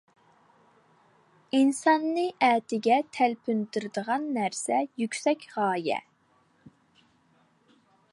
ئىنساننى ئەتىگە تەلپۈندۈرىدىغان نەرسە يۈكسەك غايە.